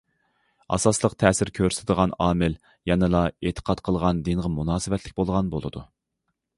ئاساسلىق تەسىر كۆرسىتىدىغان ئامىل يەنىلا ئېتىقاد قىلغان دىنغا مۇناسىۋەتلىك بولغان بولىدۇ.